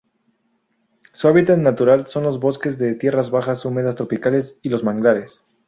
Su hábitat natural son los bosques de tierras bajas húmedas tropicales y los manglares.